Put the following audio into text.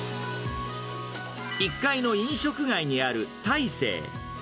１階の飲食街にあるたいせい。